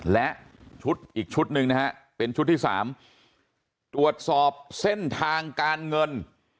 และชุดอีกชุดหนึ่งนะฮะเป็นชุดที่สามตรวจสอบเส้นทางการเงิน